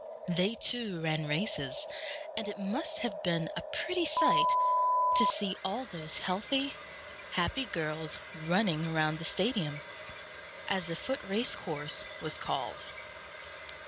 They too ran races; and it must have been a pretty sight to see all those healthy, happy girls running around the stadium, as the foot race course was called.